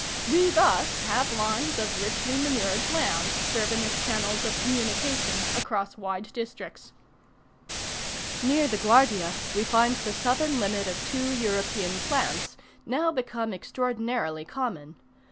We thus have lines of richly manured land serving as channels of communication across wide districts. Near the Guardia we find the southern limit of two European plants, now become extraordinarily common.